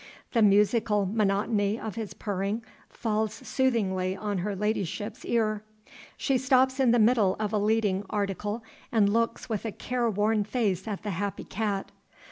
The musical monotony of his purring falls soothingly on her ladyship's ear. She stops in the middle of a leading article and looks with a careworn face at the happy cat.